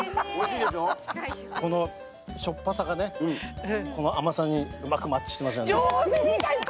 このしょっぱさが甘さにうまくマッチしてますよね。